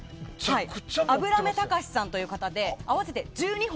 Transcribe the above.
油目貴志さんという方で合わせて１２本。